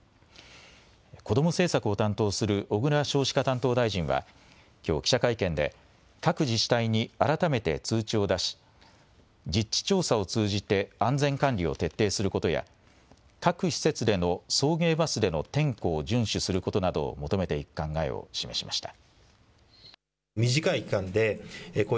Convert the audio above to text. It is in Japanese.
こども政策を担当する小倉少子化担当大臣はきょう、記者会見で各自治体に改めて通知を出し実地調査を通じて安全管理を徹底することや各施設での送迎バスでの点呼を順守することなどを求めていく考えを示しました。